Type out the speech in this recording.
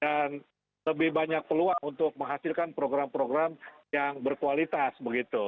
dan lebih banyak peluang untuk menghasilkan program program yang berkualitas begitu